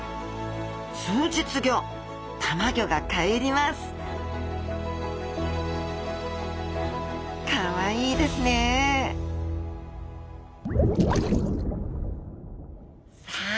数日後たまギョがかえりますカワイイですねさあ